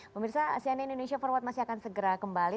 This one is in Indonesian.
pemirsa cnn indonesia forward masih akan segera kembali